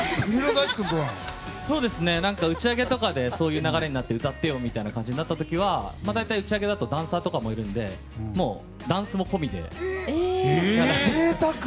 打ち上げとかでそういう流れになって歌ってよとなった時は大体、打ち上げだとダンサーとかもいるのでダンスも込みでやります。